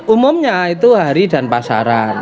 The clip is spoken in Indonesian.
umumnya itu hari dan pasaran